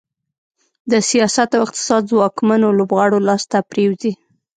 د سیاست او اقتصاد ځواکمنو لوبغاړو لاس ته پرېوځي.